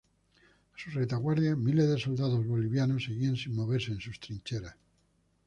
A su retaguardia miles de soldados bolivianos seguían sin moverse en sus trincheras.